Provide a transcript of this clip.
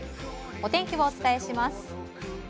お天気をお伝えします。